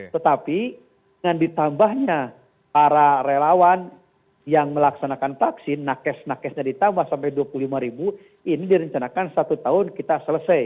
tetapi dengan ditambahnya para relawan yang melaksanakan vaksin nakes nakesnya ditambah sampai dua puluh lima ribu ini direncanakan satu tahun kita selesai